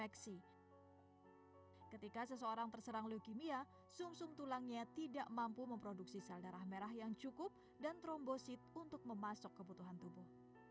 ketika seseorang terserang leukemia sum sum tulangnya tidak mampu memproduksi sel darah merah yang cukup dan trombosit untuk memasuk kebutuhan tubuh